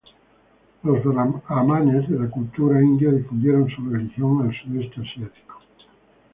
Los brahmanes de la cultura india difundieron su religión al sudeste asiático.